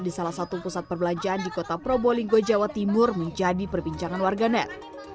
di salah satu pusat perbelanjaan di kota probolinggo jawa timur menjadi perbincangan warganet